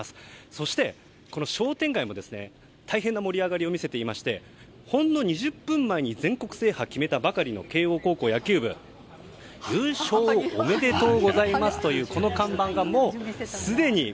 そして、商店街も大変な盛り上がりを見せていましてほんの２０分前に全国制覇を決めたばかりの慶應高校野球部優勝おめでとうございますというこの看板がもうすでに。